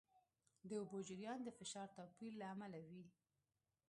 د اوبو جریان د فشار توپیر له امله وي.